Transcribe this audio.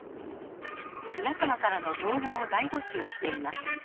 皆様からの動画を大募集しています。